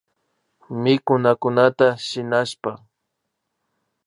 Mikunakunata shinashpa